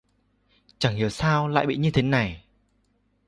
Chẳng hiểu sao lại bị như thế này